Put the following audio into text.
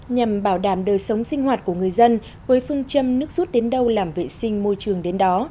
nhằm bảo đảm đời sống sinh hoạt của người dân với phương châm nước rút đến đâu làm vệ sinh môi trường đến đó